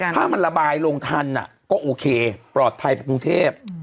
ถ้ามันระบายลงทันก็โอเคปลอดภัยไปกรุงเทพ